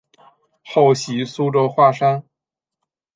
后徙苏州花山。